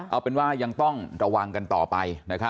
เอาเป็นว่ายังต้องระวังกันต่อไป